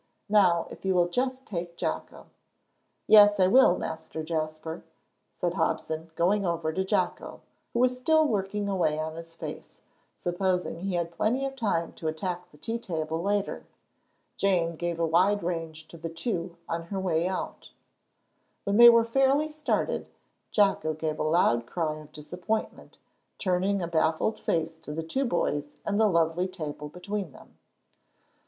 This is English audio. Now if you will just take Jocko." "Yes, I will, Master Jasper," said Hobson, going over to Jocko, who was still working away on his face, supposing he had plenty of time to attack the tea table later. Jane gave a wide range to the two on her way out. When they were fairly started Jocko gave a loud cry of disappointment, turning a baffled face to the two boys and the lovely table between them.